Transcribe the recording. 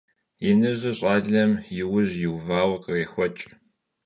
Yinıjır ş'alem yi vujım yiuvaue khrêxueç'.